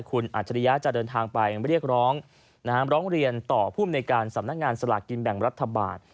คุณอัจฉริยะจะเดินทางไปเรียกร้องร้องเรียนต่อภูมิในการสำนักงานสลากกินแบ่งรัฐบาล